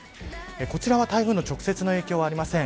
こちらは、台風の直接の影響はありません。